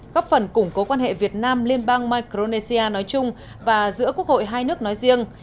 cố quan hệ việt nam liên bang micronesia nói chung và giữa quốc hội hai nước nói riêng